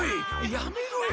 やめろよ！